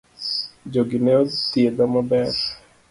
Jogi ne othiedha maber